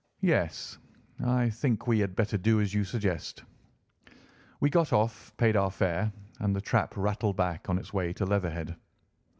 "Yes, I think we had better do as you suggest." We got off, paid our fare, and the trap rattled back on its way to Leatherhead.